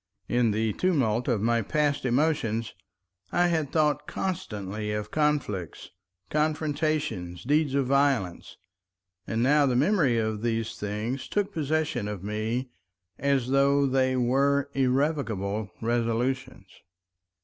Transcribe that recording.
In the tumult of my passed emotions I had thought constantly of conflicts, confrontations, deeds of violence, and now the memory of these things took possession of me as though they were irrevocable resolutions.